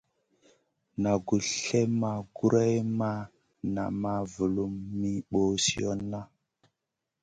Naʼ gus slèʼ ma grewn ma naʼ ma vulum mi ɓosionna.